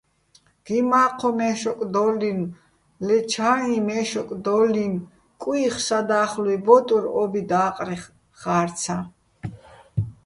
გი მაჴოჼ მე́შოკ დო́ლლინო̆, ლე ჩა́იჼ მე́შოკ დო́ლლინო̆ კუჲხი̆ სადა́ხლუჲ ბო́ტურ ო́ბი და́ყრეხ ხა́რცაჼ.